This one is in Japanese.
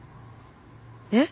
えっ！？